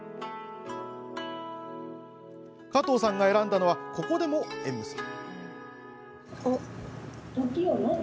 加藤さんが選んだのはここでも縁結び。